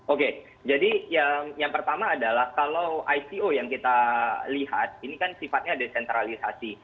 oke jadi yang pertama adalah kalau ico yang kita lihat ini kan sifatnya desentralisasi